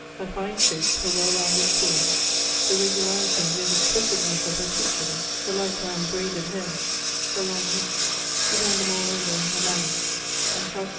Her fine shape, her well rounded form, the regularity and yet expressiveness of her features, her light brown braided hair, her Ions neck ^ she ran them all over in her mind, and cnlcul.